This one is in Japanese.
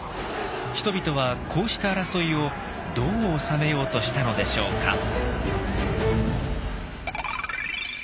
人々はこうした争いをどう収めようとしたのでしょうか。